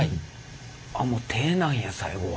あっもう手なんや最後は。